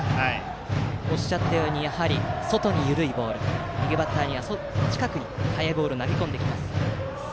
おっしゃったように外に緩いボールと右バッターには近くに速いボールを投げ込んできます。